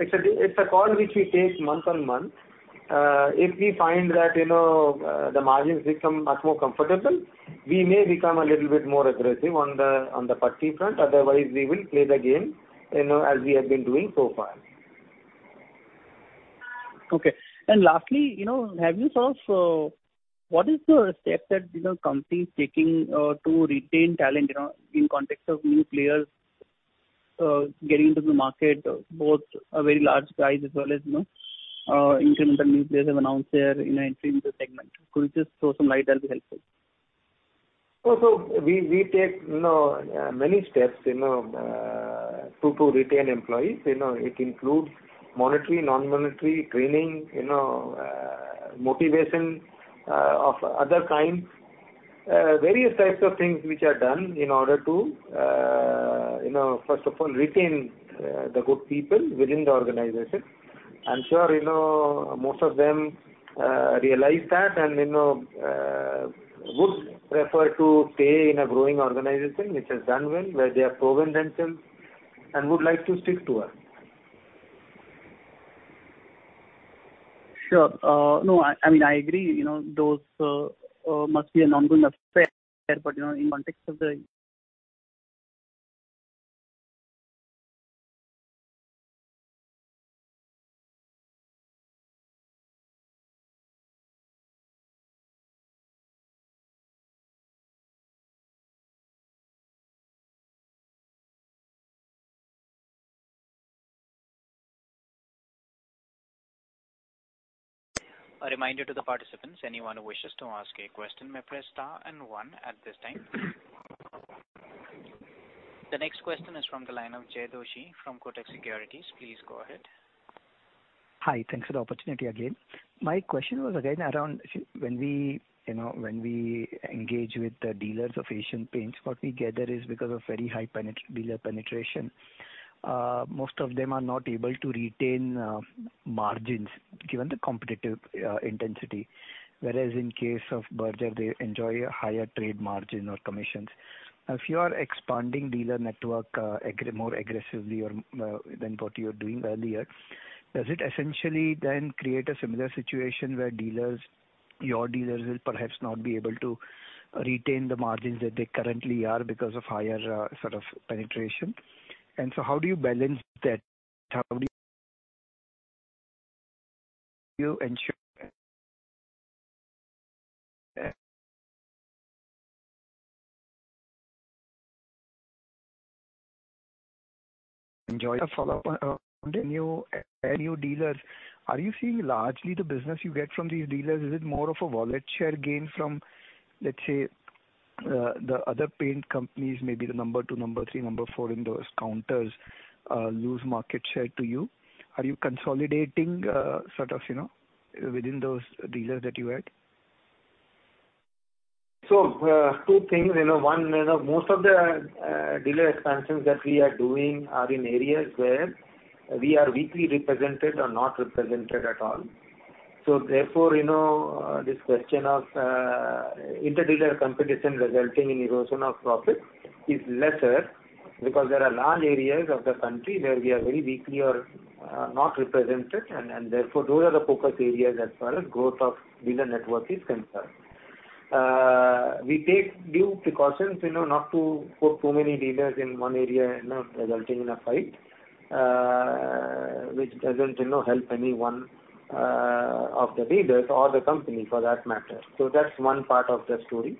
it's a call which we take month-on-month. If we find that, you know, the margins become much more comfortable, we may become a little bit more aggressive on the putty front. Otherwise we will play the game, you know, as we have been doing so far. Okay. Lastly, you know, what are the steps that the company is taking to retain talent, you know, in context of new players getting into the market, both very large guys as well as incremental new players that have announced their entry into the segment? Could you just throw some light? That'll be helpful. We take, you know, many steps, you know, to retain employees. You know, it includes monetary, non-monetary training, you know, motivation of other kinds, various types of things which are done in order to, you know, first of all, retain the good people within the organization. I'm sure, you know, most of them realize that and, you know, would prefer to stay in a growing organization which has done well, where they have proven themselves and would like to stick to us. Sure. No, I mean, I agree. You know, those must be an ongoing affair, but you know, in context of the- A reminder to the participants, anyone who wishes to ask a question may press star and one at this time. The next question is from the line of Jaykumar Doshi from Kotak Securities. Please go ahead. Hi. Thanks for the opportunity again. My question was again around when we, you know, when we engage with the dealers of Asian Paints, what we gather is because of very high dealer penetration, most of them are not able to retain margins given the competitive intensity. Whereas in case of Berger, they enjoy a higher trade margin or commissions. If you are expanding dealer network more aggressively or than what you're doing earlier, does it essentially then create a similar situation where dealers, your dealers will perhaps not be able to retain the margins that they currently are because of higher sort of penetration? How do you balance that? How do you ensure enjoy a follow-up around new dealers. Are you seeing largely the business you get from these dealers, is it more of a wallet share gain from, let's say, the other paint companies, maybe the number two, number three, number four in those counters, lose market share to you? Are you consolidating, sort of, you know, within those dealers that you add? Two things. You know, one, you know, most of the dealer expansions that we are doing are in areas where we are weakly represented or not represented at all. Therefore, you know, this question of inter-dealer competition resulting in erosion of profit is lesser because there are large areas of the country where we are very weakly or not represented. Therefore, those are the focus areas as far as growth of dealer network is concerned. We take due precautions, you know, not to put too many dealers in one area, you know, resulting in a fight which doesn't, you know, help anyone of the dealers or the company for that matter. That's one part of the story.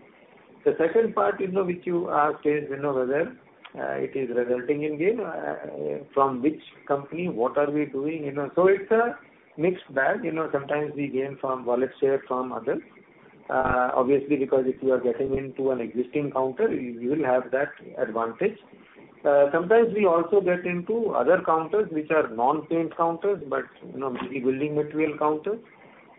The second part, you know, which you asked is, you know, whether it is resulting in gain from which company, what are we doing, you know? It's a mixed bag. You know, sometimes we gain from wallet share from others, obviously, because if you are getting into an existing counter, you will have that advantage. Sometimes we also get into other counters which are non-paint counters, but, you know, maybe building material counters.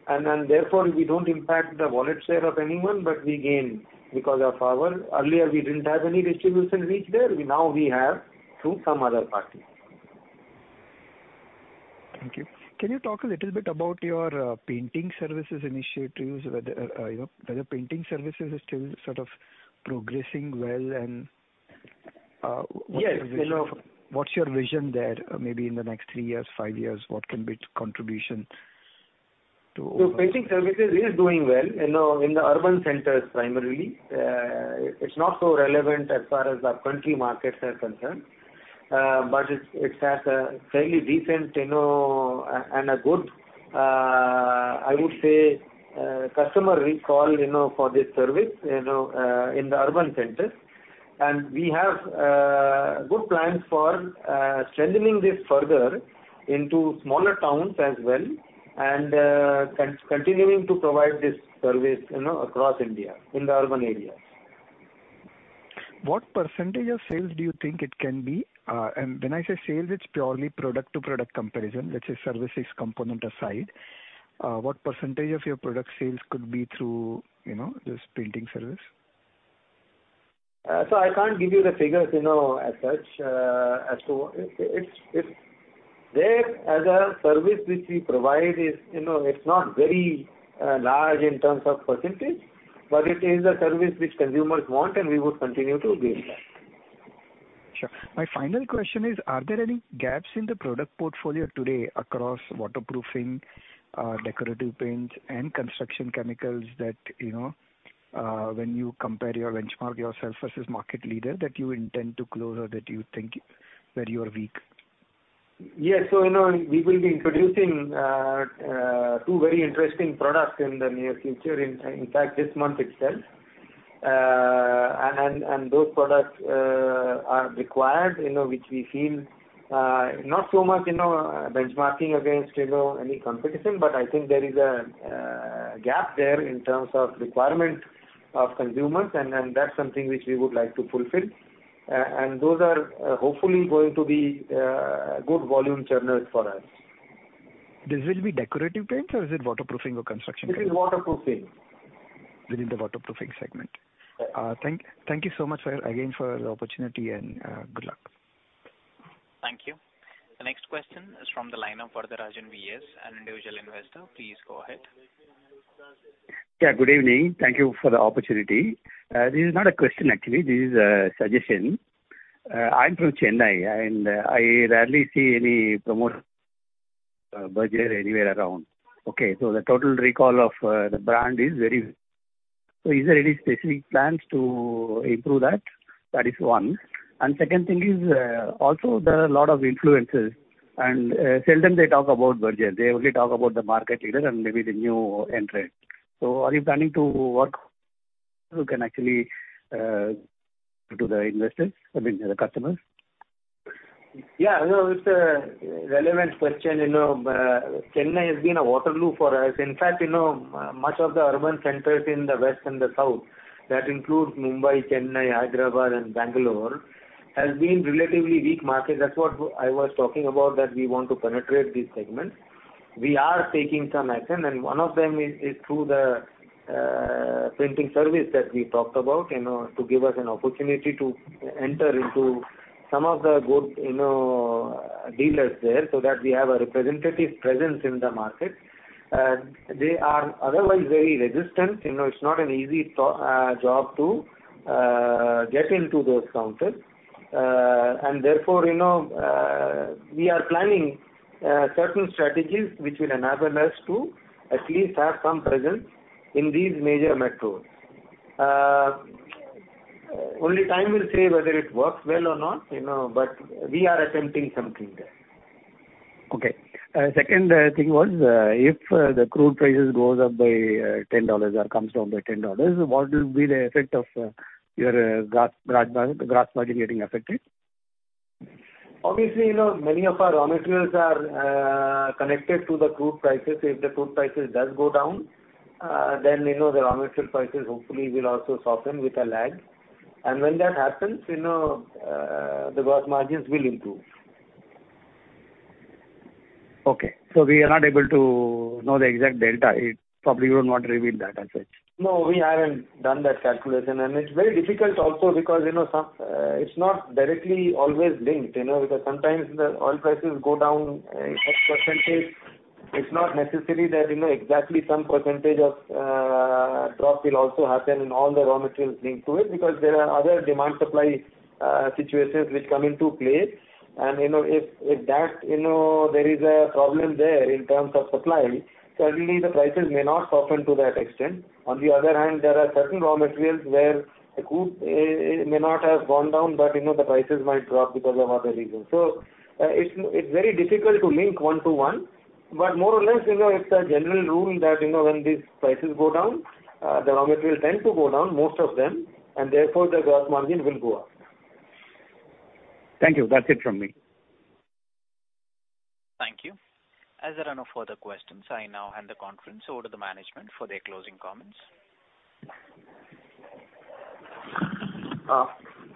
Then therefore, we don't impact the wallet share of anyone, but we gain because of our earlier we didn't have any distribution reach there. We now have through some other party. Thank you. Can you talk a little bit about your painting services initiatives, whether you know painting services is still sort of progressing well and? Yes. You know. What's your vision there maybe in the next three years, five years? What can be its contribution to overall? Painting services is doing well, you know, in the urban centers primarily. It's not so relevant as far as our country markets are concerned. But it has a fairly decent, you know, and a good, I would say, customer recall, you know, for this service, you know, in the urban centers. We have good plans for strengthening this further into smaller towns as well and continuing to provide this service, you know, across India in the urban areas. What percentage of sales do you think it can be? When I say sales, it's purely product to product comparison. Let's say services component aside. What percentage of your product sales could be through, you know, this painting service? I can't give you the figures, you know, as such, as to. It's there as a service which we provide is, you know, it's not very large in terms of percentage, but it is a service which consumers want, and we would continue to build that. Sure. My final question is: are there any gaps in the product portfolio today across Waterproofing, Decorative Paints and Construction Chemicals that, you know, when you compare your benchmark yourself versus market leader that you intend to close or that you think where you are weak? Yes. You know, we will be introducing two very interesting products in the near future, in fact this month itself. And those products are required, you know, which we feel, not so much, you know, benchmarking against, you know, any competition, but I think there is a gap there in terms of requirement of consumers and that's something which we would like to fulfill. And those are, hopefully going to be, good volume churners for us. This will be Decorative Paints or is it Waterproofing or construction paints? It is waterproofing. Within the Waterproofing segment. Yes. Thank you so much, again, for the opportunity and good luck. Thank you. The next question is from the line of Rajan V.S., an individual investor. Please go ahead. Yeah, good evening. Thank you for the opportunity. This is not a question actually, this is a suggestion. I'm from Chennai, and I rarely see any promotion, Berger anywhere around. Okay, the total recall of the brand. Is there any specific plans to improve that? That is one. Second thing is, also there are a lot of influencers and, seldom they talk about Berger. They only talk about the market leader and maybe the new entrant. Are you planning to work who can actually to the investors, I mean the customers? No, it's a relevant question. You know, Chennai has been a Waterloo for us. In fact, you know, much of the urban centers in the west and the south, that includes Mumbai, Chennai, Hyderabad and Bangalore, has been relatively weak market. That's what I was talking about that we want to penetrate these segments. We are taking some action, and one of them is through the printing service that we talked about, you know, to give us an opportunity to enter into some of the good, you know, dealers there, so that we have a representative presence in the market. They are otherwise very resistant. You know, it's not an easy job to get into those counters. Therefore, you know, we are planning certain strategies which will enable us to at least have some presence in these major metros. Only time will tell whether it works well or not, you know, but we are attempting something there. Okay. Second thing was, if the crude prices goes up by $10 or comes down by $10, what will be the effect of your gross margin getting affected? Obviously, you know, many of our raw materials are connected to the crude prices. If the crude prices does go down, then, you know, the raw material prices hopefully will also soften with a lag. When that happens, you know, the gross margins will improve. Okay. We are not able to know the exact delta. It's probably you don't want to reveal that as such. No, we haven't done that calculation. It's very difficult also because, you know, some, it's not directly always linked, you know, because sometimes the oil prices go down, X-percentage. It's not necessary that, you know, exactly some percentage of, drop will also happen in all the raw materials linked to it because there are other demand supply, situations which come into play. You know, if that, you know, there is a problem there in terms of supply, certainly the prices may not soften to that extent. On the other hand, there are certain raw materials where the crude may not have gone down, but, you know, the prices might drop because of other reasons. It's very difficult to link one to one, but more or less, you know, it's a general rule that, you know, when these prices go down, the raw material tend to go down, most of them, and therefore the gross margin will go up. Thank you. That's it from me. Thank you. As there are no further questions, I now hand the conference over to the management for their closing comments.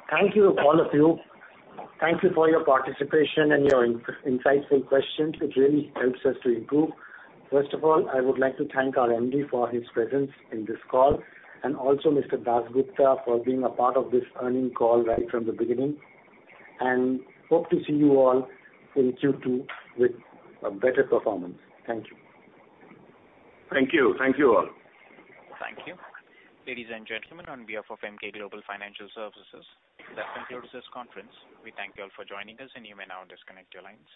Thank you all of you. Thank you for your participation and your insightful questions. It really helps us to improve. First of all, I would like to thank our MD for his presence in this call, and also Mr. Dasgupta for being a part of this earnings call right from the beginning. Hope to see you all in Q2 with a better performance. Thank you. Thank you. Thank you all. Thank you. Ladies and gentlemen, on behalf of Emkay Global Financial Services, that concludes this conference. We thank you all for joining us and you may now disconnect your lines.